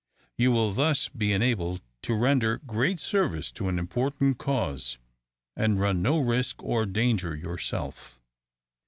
You will thus be enabled to render great service to an important cause, and run no risk or danger yourself."